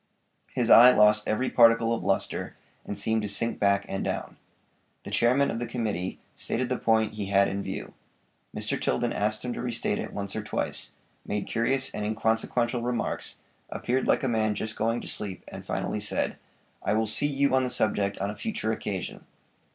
His eye lost every particle of lustre and seemed to sink back and down. The chairman of the committee stated the point he had in view. Mr. Tilden asked him to restate it once or twice; made curious and inconsequential remarks, appeared like a man just going to sleep, and finally said: "I will see you on the subject on a future occasion."